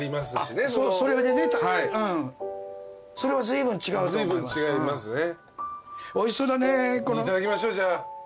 いただきましょうじゃあ。